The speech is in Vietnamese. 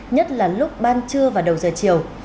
nhất là lúc ban trưa và đầu giờ chiều